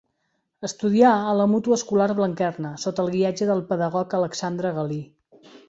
Estudià a la Mútua Escolar Blanquerna, sota el guiatge del pedagog Alexandre Galí.